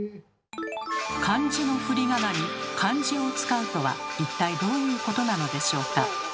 漢字のふりがなに漢字を使うとは一体どういうことなのでしょうか？